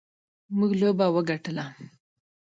موږ لوبه وګټله.